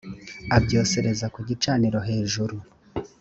abyosereza ku gicaniro hejuru